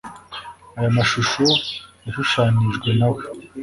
aya mashusho yashushanijwe na we